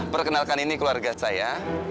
perkenalkan ini keluarga saya